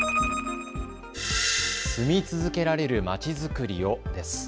住み続けられるまちづくりをです。